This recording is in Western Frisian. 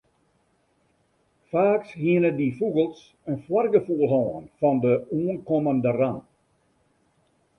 Faaks hiene dy fûgels in foargefoel hân fan de oankommende ramp.